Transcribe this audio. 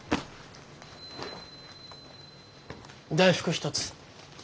大福１つ。